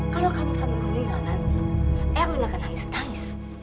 kalau kamu sampai meninggal nanti erwin akan nangis nangis